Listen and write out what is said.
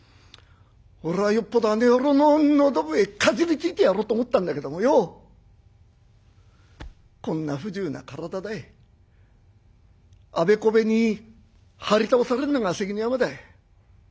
おらよっぽどあの野郎の喉笛へかじりついてやろうと思ったんだけどもよこんな不自由な体であべこべに張り倒されるのが関の山だい。